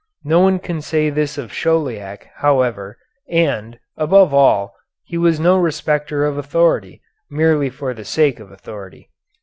No one can say this of Chauliac, however, and, above all, he was no respecter of authority, merely for the sake of authority.